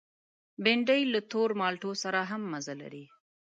بېنډۍ له تور مالټو سره هم مزه لري